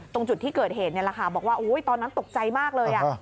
ตรงจุดที่เกิดเหตุนี่แหละค่ะบอกว่าตอนนั้นตกใจมากเลย